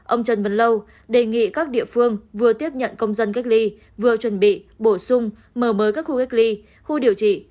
ông trần văn lâu đề nghị các địa phương vừa tiếp nhận công dân cách ly vừa chuẩn bị bổ sung mở mới các khu cách ly khu điều trị